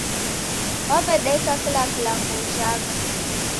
Waw'edaika kila kilambo ujhagha